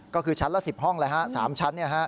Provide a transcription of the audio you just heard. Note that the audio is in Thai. ก็คือชั้นละ๑๐ห้อง๓ชั้น